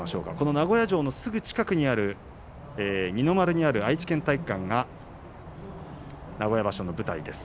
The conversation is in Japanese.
名古屋城のすぐ近くにある二の丸のある、愛知県体育館名古屋場所の舞台です。